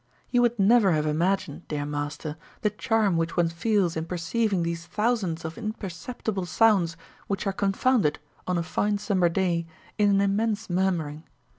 You would never have imagined, dear master, the charm which one feels in perceiving these thousands of imperceptible sounds which are confounded, on a fine summer day, in an immense murmuring.